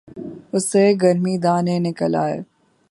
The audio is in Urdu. اسے گرمی دانے نکل آئے